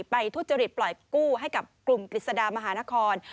ทุจริตปล่อยกู้ให้กับกลุ่มกฤษฎามหานคร